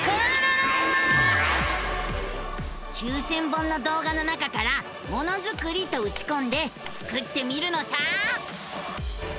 ９，０００本の動画の中から「ものづくり」とうちこんでスクってみるのさ！